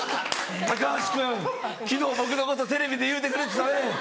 「高橋君昨日僕のことテレビで言うてくれてたね。